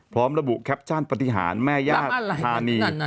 พร้อมระบุแคปชั่นปฏิหารแม่ญาติธานี